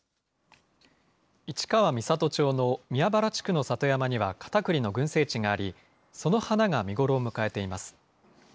市川三郷町の宮原地区の里山には、カタクリの群生地があり、その花が見頃を迎えています。